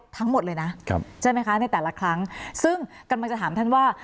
ทั้งหมดเลยนะใช่ไหมคะในแต่ละครั้งซึ่งกำลังจะถามท่านว่า